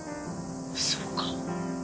そうか。